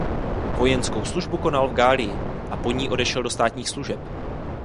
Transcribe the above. Vojenskou službu konal v Galii a po ní odešel do státních služeb.